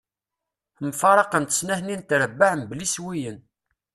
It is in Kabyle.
Mfaraqent snat-nni n trebbaɛ mebla iswiyen.